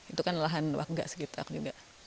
itu kan lahan warga sekitar juga